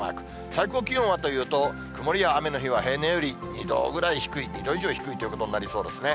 最高気温はというと、曇りや雨の日は平年より２度ぐらい低い、２度以上低いということになりそうですね。